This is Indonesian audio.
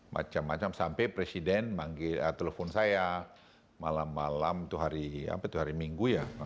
macam macam sampai presiden manggil telepon saya malam malam itu hari apa itu hari minggu ya